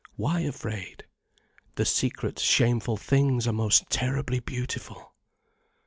Why afraid? The secret, shameful things are most terribly beautiful.